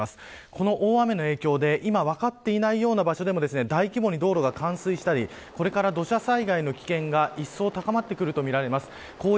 この大雨の影響で、今分かっていないような場所でも大規模に道路が冠水したりこれから土砂災害の危険が一層高まってきます。